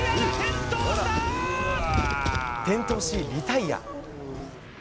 転倒し、リタイヤ。